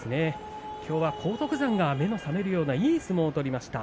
きょうは荒篤山が目の覚めるようないい相撲を取りました。